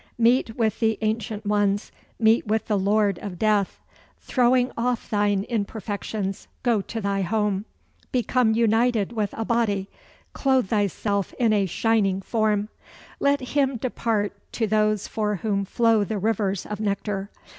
Meet with the Ancient Ones; meet with the Lord of Death. Throwing off thine imperfections, go to thy home. Become united with a body; clothe thyself in a shining form." "Let him depart to those for whom flow the rivers of nectar.